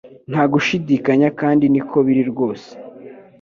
Nta gushidikanya kandi niko biri rwose